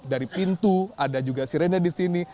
dari pintu ada juga sirene di sini